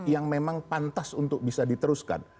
yang memang pantas untuk bisa diteruskan